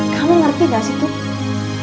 kamu ngerti nggak sih tut